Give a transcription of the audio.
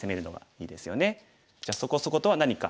じゃあ「そこそこ」とは何か。